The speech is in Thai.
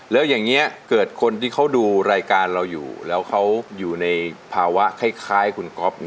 แล้วอย่างนี้เกิดคนที่เขาดูรายการเราอยู่แล้วเขาอยู่ในภาวะคล้ายคุณก๊อฟ